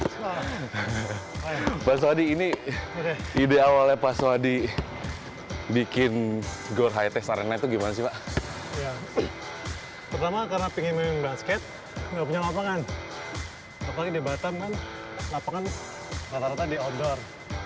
saya tidak punya lapangan apalagi di batam kan lapangan rata rata di outdoor